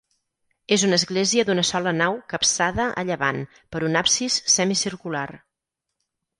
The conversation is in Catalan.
És una església d'una sola nau capçada a llevant per un absis semicircular.